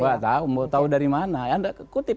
tidak tahu tahu dari mana anda kutip